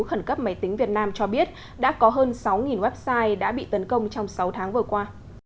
khẩn cấp máy tính việt nam cho biết đã có hơn sáu website đã bị tấn công trong sáu tháng vừa qua